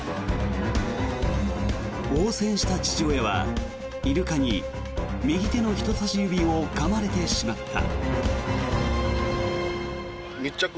応戦した父親はイルカに右手の人さし指をかまれてしまった。